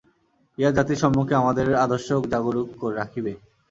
ইহা জাতির সম্মুখে আমাদের আদর্শ জাগরূক রাখিবে।